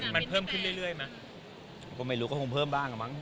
มันเพิ่มขึ้นเรื่อยไหมก็ไม่รู้ก็คงเพิ่มบ้างอะมั้